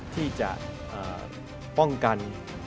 ที่จะป้องกัน